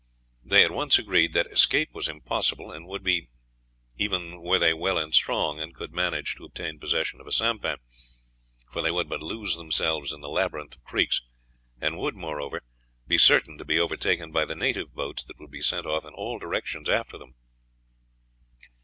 They at once agreed that escape was impossible, and would be even were they well and strong and could manage to obtain possession of a sampan, for they would but lose themselves in the labyrinth of creeks, and would, moreover, be certain to be overtaken by the native boats that would be sent off in all directions after them.